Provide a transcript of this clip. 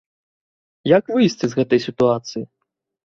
Як выйсці з гэтай сітуацыі?